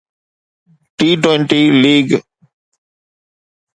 T twenty league